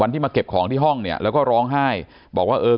ที่มาเก็บของที่ห้องเนี่ยแล้วก็ร้องไห้บอกว่าเออ